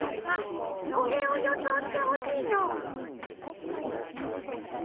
これを予想してほしいの。